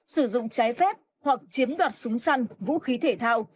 sử dụng trái phép hoặc chiếm đoạt súng săn vũ khí thể thao